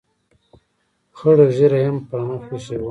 خړه ږیره یې هم پر مخ اېښې وه.